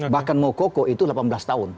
bahkan mokoko itu delapan belas tahun